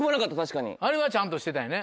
あれはちゃんとしてたんやね。